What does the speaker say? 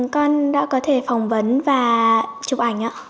con đã có thể phỏng vấn và chụp ảnh